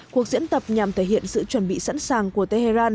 cuộc diễn tập nhằm thể hiện sự chuẩn bị sẵn sàng của tehran